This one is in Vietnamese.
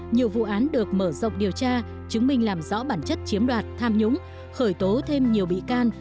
nhiều vụ án được mở rộng điều tra chứng minh làm rõ bản chất chiếm đoạt tham nhũng khởi tố thêm nhiều bị can